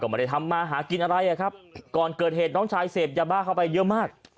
ไม่ได้ทำมาหากินอะไรอ่ะครับก่อนเกิดเหตุน้องชายเสพยาบ้าเข้าไปเยอะมาก